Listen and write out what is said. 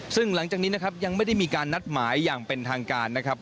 ซึ่งหลังจากนี้นะครับยังไม่ได้มีการนัดหมายอย่างเป็นทางการนะครับ